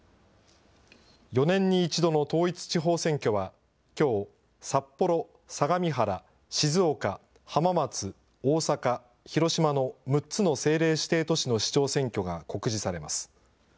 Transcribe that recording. ４年に１度の地方統一選挙は、きょう、札幌、相模原、静岡、浜松、大阪、広島の６つの政令指定都市の市長選挙が告示されます。